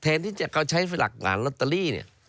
ที่เขาใช้หลักงานลอตเตอรี่เนี่ย